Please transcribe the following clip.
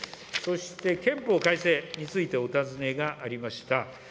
そして、憲法改正についてお尋ねがありました。